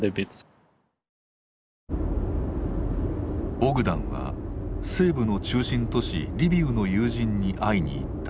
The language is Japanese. ボグダンは西部の中心都市リビウの友人に会いに行った。